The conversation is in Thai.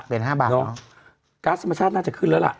เป็นห้าบาทเนอะเนอะการ์ดสมชาติน่าจะขึ้นแล้วล่ะ